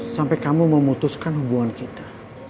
sampai kamu memutuskan hubungan kita